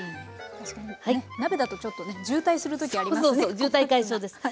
確かにね鍋だとちょっとね渋滞する時ありますよね。